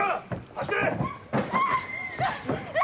走れ！